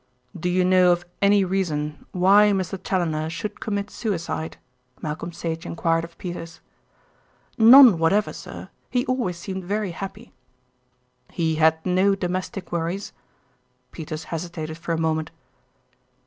"Do you know of any reason why Mr. Challoner should commit suicide?" Malcolm Sage enquired of Peters. "None whatever, sir; he always seemed very happy." "He had no domestic worries?" Peters hesitated for a moment.